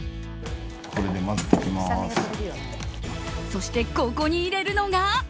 そして、ここに入れるのが。